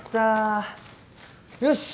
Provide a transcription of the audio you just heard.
よし。